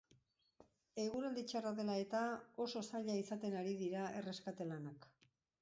Eguraldi txarra dela eta, oso zaila izaten ari dira erreskate lanak.